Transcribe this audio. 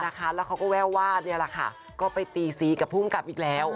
อย่างนั้นรถแล้วเขาก็แว้ววาแบบนี้ก็ไปตีสีทำกับผู้กำกับอีกแล้ว